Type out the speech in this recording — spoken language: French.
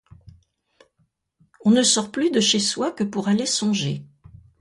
On ne sort plus de chez soi que pour aller songer.